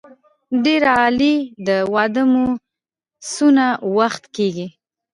ډېر عالي د واده مو څونه وخت کېږي.